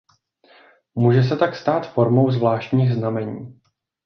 Může se tak stát formou „zvláštních znamení“.